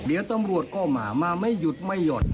เดี๋ยวตำรวจก็มามาไม่หยุดไม่หย่อน